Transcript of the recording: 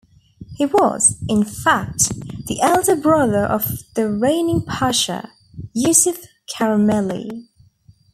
He was, in fact, the elder brother of the reigning pasha, Yusuf Caramelli.